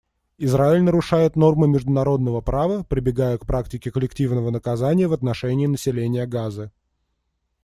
Израиль нарушает нормы международного права, прибегая к практике коллективного наказания в отношении населения Газы.